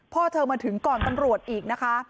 พ่อเธอมาถึงก่อนตำรวจอีกนะคะ